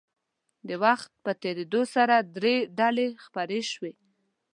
د وخت په تېرېدو سره درې ډلې خپرې شوې.